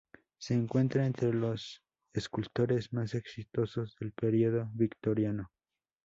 Se encuentra entre los escultores más exitosos del periodo victoriano.